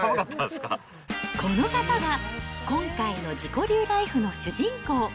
この方が、今回の自己流ライフの主人公。